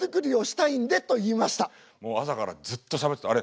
もう朝からずっとしゃべってた。